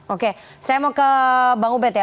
oke saya mau ke bang ubed ya